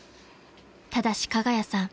［ただし加賀谷さん